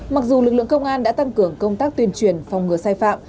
mặc dù lực lượng công an đã tăng cường công tác tuyên truyền phòng ngừa sai phạm